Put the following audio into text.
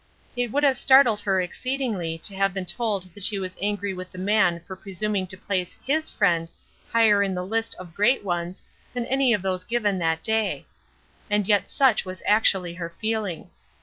It would have startled her exceedingly to have been told that she was angry with the man for presuming to place his Friend higher in the list of great ones than any of those given that day; and yet such was actually her feeling.